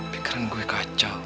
pikiran gue kacau